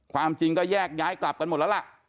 ความจริงก็แยกย้ายกลับกันหมดแล้วล่ะ